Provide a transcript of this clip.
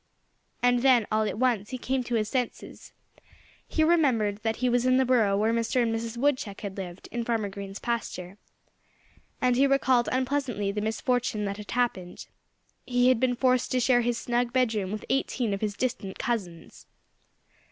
And then all at once he came to his senses. He remembered that he was in the burrow where Mr. and Mrs. Woodchuck had lived, in Farmer Green's pasture. And he recalled unpleasantly the misfortune that had happened: he had been forced to share his snug bedroom with eighteen of his distant cousins.